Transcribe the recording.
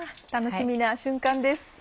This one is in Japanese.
楽しみな瞬間です。